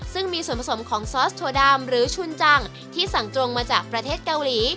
ซึ่งมีส่วนผสมของซอสถั่วดำหรือชุนจังที่สั่งตรงมาจากประเทศเกาหลี